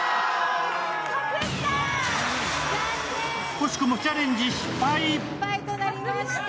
惜しくもチャレンジ失敗。